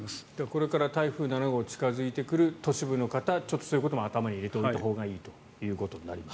これから台風７号近付いてくる都市部の方、そういうことも頭に入れておいたほうがいいということになります。